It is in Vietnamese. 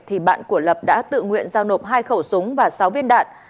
thì bạn của lập đã tự nguyện giao nộp hai khẩu súng và sáu viên đạn